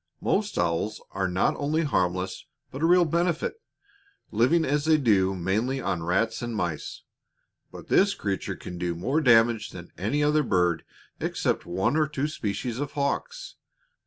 Most owls are not only harmless, but a real benefit, living as they do mainly on rats and mice. But this creature can do more damage than any other bird except one or two species of hawks.